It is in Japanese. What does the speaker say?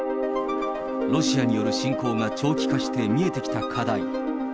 ロシアによる侵攻が長期化して、見えてきた課題。